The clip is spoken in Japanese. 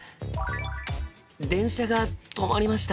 電車が止まりました。